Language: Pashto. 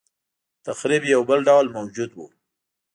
دتخریب یو بل ډول موجود و.